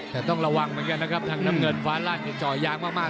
แต่ต้องระวังเหมือนกันนะครับทางน้ำเงินฟ้าล่างจ่อยางมาก